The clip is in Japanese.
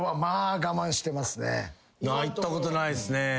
泣いたことないっすね。